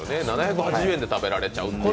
７８０円で食べられちゃうというね。